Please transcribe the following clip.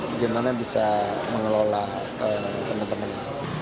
bagaimana bisa mengelola teman teman